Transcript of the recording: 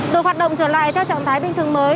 được hoạt động trở lại theo trạng thái bình thường mới